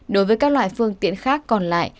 đối với các loại phương tiện khác còn lại